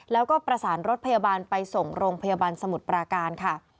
แล้วก็ประสานรถพยาบาลไปส่งโรงพยาบาลสมุทรปราการค่ะ